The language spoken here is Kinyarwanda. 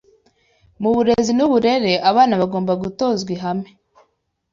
Mu burezi n’uburere abana bagomba gutozwa ihame